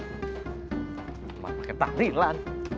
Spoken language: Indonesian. cuma pakai tangdilan